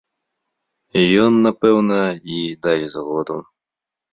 Ён, напэўна, і дасць згоду.